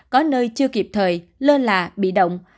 có nơi chưa kịp thời lơ lạ bị động